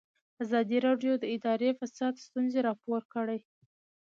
ازادي راډیو د اداري فساد ستونزې راپور کړي.